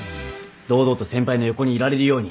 堂々と先輩の横にいられるように。